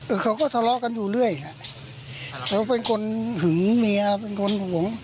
เขาก็ทะเลาะกันอยู่เรื่อยอ่ะเขาเป็นคนหึงเมียเป็นคนห่วง